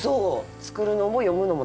作るのも読むのも楽しい？